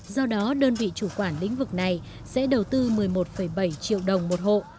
do đó đơn vị chủ quản lĩnh vực này sẽ đầu tư một mươi một bảy triệu đồng một hộ